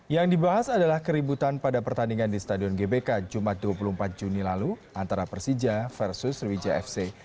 yang dibahas adalah keributan pada pertandingan di stadion gbk jumat dua puluh empat juni lalu antara persija versus sriwijaya fc